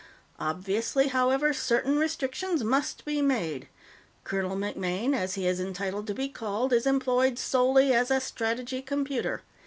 "Obviously, however, certain restrictions must be made. General MacMaine, as he is entitled to be called, is employed solely as a Strategy Computer.